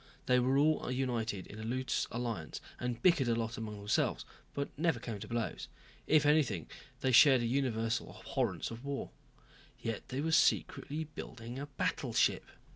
They were all united in a loose alliance and bickered a lot among themselves, but never came to blows. If anything, they shared a universal abhorrence of war. Yet they were secretly building a battleship.